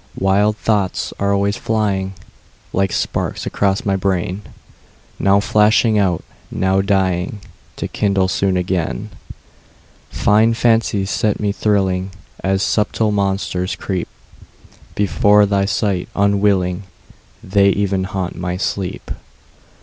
Wild thoughts are always flying, Like sparks across my brain, Now flashing out, now dying, To kindle soon again. Fine fancies set me thrilling, And subtle monsters creepBefore my sight unwilling:They even haunt my sleep.